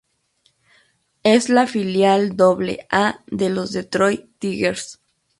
Es la filial Doble-A de los Detroit Tigers.